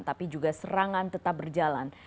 tapi juga serangan tetap berjalan